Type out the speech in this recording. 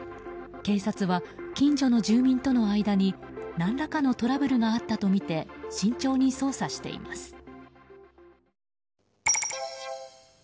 警察は、近所の住民との間に何らかのトラブルがあったとみて慎重に捜査しています。